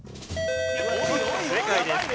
正解です。